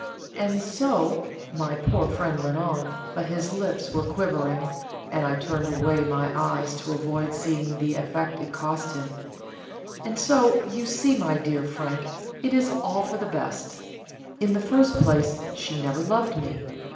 And so," my poor friend went on, but his lips were quivering, and I turned away my eyes to avoid seeing the effort it cost him "and so, you see, my dear Frank, it is all for the best. In the first place, she never loved me.